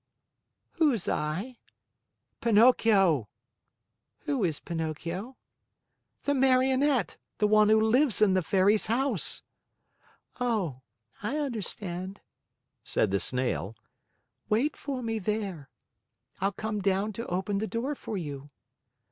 "Who's I?" "Pinocchio." "Who is Pinocchio?" "The Marionette; the one who lives in the Fairy's house." "Oh, I understand," said the Snail. "Wait for me there. I'll come down to open the door for you."